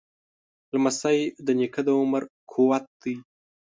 لمسی د نیکه د عمر قوت دی.